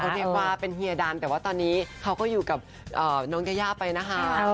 เรียกว่าเป็นเฮียดันแต่ว่าตอนนี้เขาก็อยู่กับน้องยายาไปนะคะ